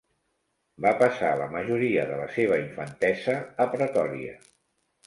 Va passar la majoria de la seva infantesa a Pretòria.